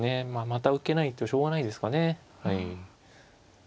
また受けないとしょうがないですかね。